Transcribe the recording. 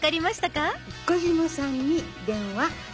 岡嶋さんに電話。